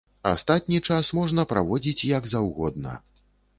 Астатні час можна праводзіць як заўгодна.